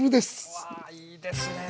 うわいいですね！